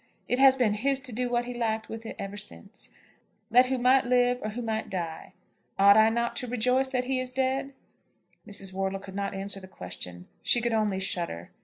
It has been his to do what he liked with it ever since, let who might live or who might die. Ought I not to rejoice that he is dead?" Mrs. Wortle could not answer the question. She could only shudder.